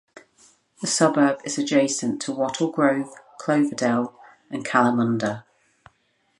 The suburb is adjacent to Wattle Grove, Cloverdale and Kalamunda.